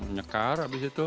ngekar abis itu